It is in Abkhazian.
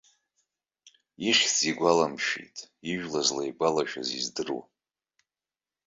Ихьӡ игәаламшәеит, ижәла злаигәалашәаз издыруам.